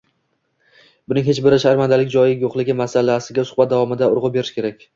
buning hech bir sharmandalik joyi yo‘qligi masalasiga suhbat davomida urg‘u berish kerak.